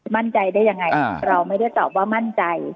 มั่นใจได้ยังไงเราไม่ได้ตอบว่ามั่นใจ